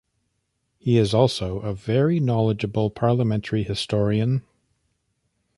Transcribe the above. He is also a very knowledgeable parliamentary historian.